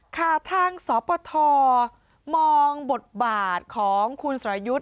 ค่ะทางสปทมองบทบาทของคุณสรยุทธ์